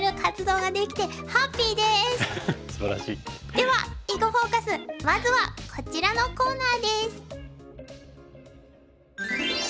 では「囲碁フォーカス」まずはこちらのコーナーです。